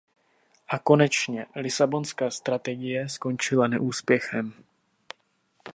A konečně, Lisabonská strategie skončila neúspěchem.